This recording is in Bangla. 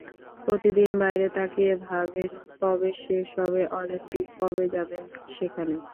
প্রতিদিন বাইরে তাকিয়ে ভাবেন কবে শেষ হবে অলিম্পিক, কবে যাবেন সেখানে।